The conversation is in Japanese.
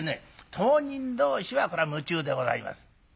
当人同士はこれは夢中でございます。